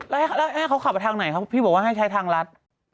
แล้วให้เขาขับไปทางไหนพี่บอกว่าให้ใช้ทางรัฐ